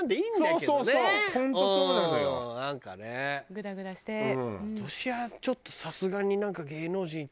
今年はちょっとさすがに。